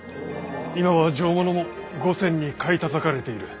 今は上物も５銭に買いたたかれている。